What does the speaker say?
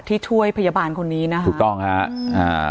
ช่วยพยาบาลคนนี้นะคะถูกต้องฮะอ่า